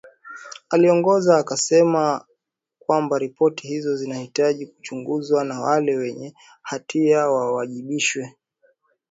,aliongeza akisema kwamba ripoti hizo zinahitaji kuchunguzwa na wale wenye hatia wawajibishwe